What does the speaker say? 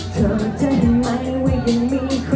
เธอจะเห็นไหมว่ายังมีคนอีก